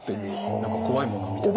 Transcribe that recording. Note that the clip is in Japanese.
何か怖いものみたいな。